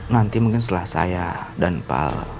nanti mungkin setelah saya dan pak